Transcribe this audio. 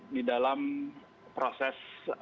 di dalam proses